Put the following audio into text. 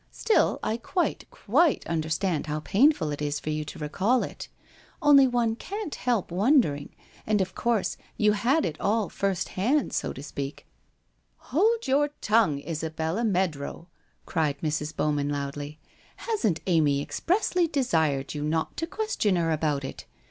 Still I quite, quite understand how painful it is for you to recall it. Only one can't help wondering — and of course you had it all first hand, so to speak '' Hold your tongue, Isabella Meadrow !' cried Mrs. Bowman loudly. ' Hasn't Amy expressly desired you not to question her about it!